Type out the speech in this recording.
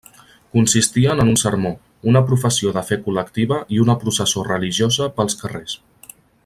Consistien en un sermó, una professió de fe col·lectiva i una processó religiosa pels carrers.